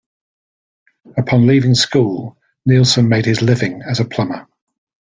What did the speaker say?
Upon leaving school, Nilsen made his living as a plumber.